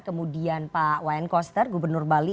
kemudian pak wayan koster gubernur bali